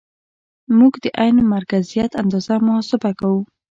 موږ د عین مرکزیت اندازه محاسبه کوو